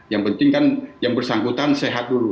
yang penting kan yang bersangkutan sehat dulu